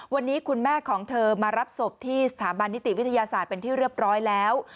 วันนี้คุณแม่ของเธอมารับศพที่สถาบันนิติวิทยาศาสตร์เป็นที่เรียบร้อยแล้ว